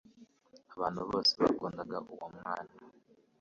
abantu bose bakundaga uwo mwana –